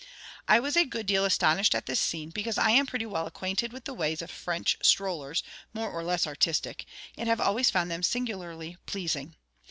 I was a good deal astonished at this scene, because I am pretty well acquainted with the ways of French strollers, more or less artistic; and have always found them singularly pleasing.